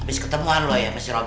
habis ketemuan lo ya sama si robby